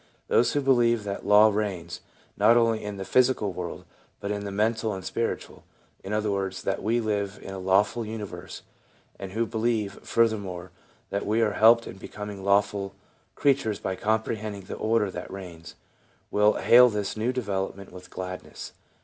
Those who believe that law reigns, not only in the physical world but in the mental and spiritual — in other words, that we live in a lawful universe — and who believe, furthermore, that we are helped in becoming lawful creatures by comprehending the order that reigns, will hail this new development with gladness.